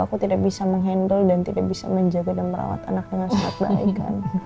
aku tidak bisa menghandle dan tidak bisa menjaga dan merawat anak dengan sangat baik kan